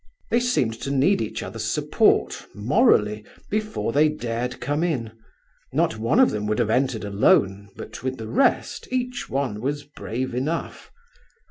They seemed to need each other's support, morally, before they dared come in; not one of them would have entered alone but with the rest each one was brave enough.